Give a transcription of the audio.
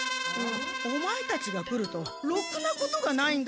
オマエたちが来るとろくなことがないんだから。